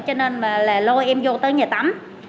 cho nên là lôi em vô tới nhà tắm